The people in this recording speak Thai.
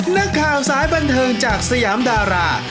นักข่าวสายบันเทิงจากสยามดารา